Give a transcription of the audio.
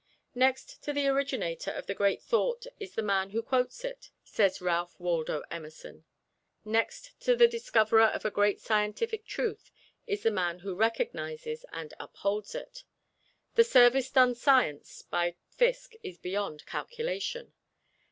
"Next to the originator of a great thought is the man who quotes it," says Ralph Waldo Emerson. Next to the discoverer of a great scientific truth is the man who recognizes and upholds it. The service done science by Fiske is beyond calculation.